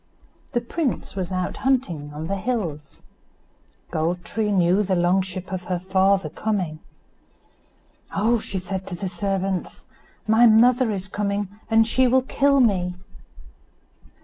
The prince was out hunting on the hills. Gold tree knew the long ship of her father coming. "Oh!" said she to the servants, "my mother is coming, and she will kill me."